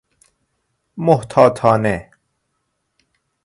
محتاطانه